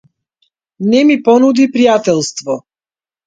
Не ми понуди пријателство.